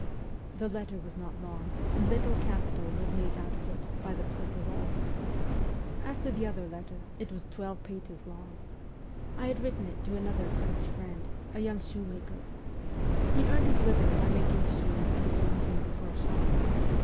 The letter was not long, and little capital was made out of it by the procureur. As to the other letter, it was twelve pages long. I had written it to another French friend, a young shoe maker. He earned his living by making shoes in his own room for a shop.